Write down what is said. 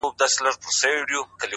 • په عزت په شرافت باندي پوهېږي؛